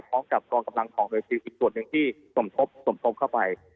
พร้อมกับกรรมกำลังของเฮอร์ซิลอีกส่วนหนึ่งที่สมทบเข้าไป